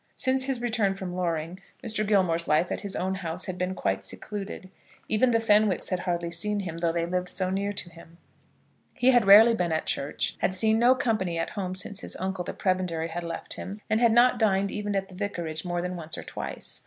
Since his return from Loring, Mr. Gilmore's life at his own house had been quite secluded. Even the Fenwicks had hardly seen him, though they lived so near to him. He had rarely been at church, had seen no company at home since his uncle, the prebendary, had left him, and had not dined even at the Vicarage more than once or twice.